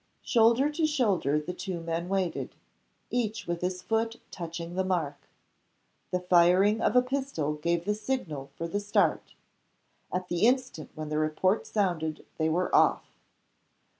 Shoulder to shoulder, the two men waited each with his foot touching the mark. The firing of a pistol gave the signal for the start. At the instant when the report sounded they were off.